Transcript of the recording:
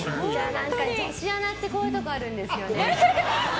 女子アナってこういうところあるんですよね。